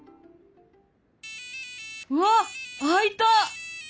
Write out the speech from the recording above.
うわ開いた！